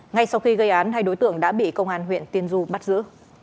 ngay sau khi gây án hai đối tượng đã bị công an huyện tiên du bắt giữ